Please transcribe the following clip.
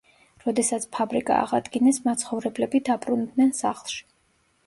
როდესაც ფაბრიკა აღადგინეს, მაცხოვრებლები დაბრუნდნენ სახლში.